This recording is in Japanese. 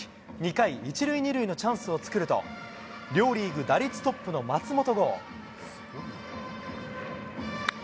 ２回、１塁２塁のチャンスを作ると、両リーグ打率トップの松本剛。